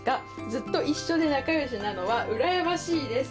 ずっと一緒で仲よしなのは羨ましいです。